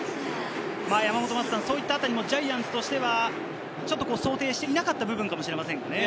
山本昌さん、ジャイアンツとしては想定していなかった部分かもしれませんね。